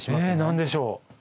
何でしょう？